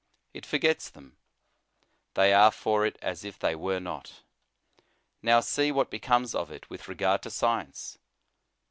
It forgets them; they are for it as if they were not. Now, see what becomes of it with regard to science.